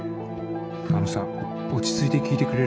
あのさ落ち着いて聞いてくれる？